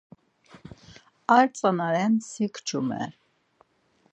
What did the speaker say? Ar tzana ren si kçumer.